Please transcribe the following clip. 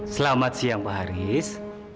selamat siang pak haris